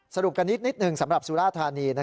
สรุปกันนิดหนึ่งสำหรับสุราธานี